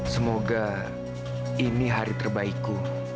semoga ini hari terbaikku